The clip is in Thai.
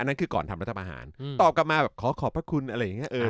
นั่นคือก่อนทำรัฐประหารตอบกลับมาแบบขอขอบพระคุณอะไรอย่างนี้